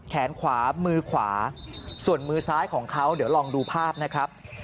แขนขวามือขวาส่วนมือซ้ายของเขาเดี๋ยวลองดูภาพนะครับ